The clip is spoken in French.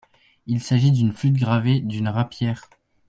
Il s'agit d'une flûte gravée d'une rapière.